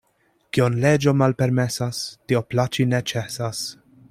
Kion leĝo malpermesas, tio plaĉi ne ĉesas.